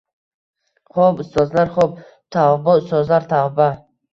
— Xo‘p ustozlar, xo‘p. Tavba, ustozlar, tavba, —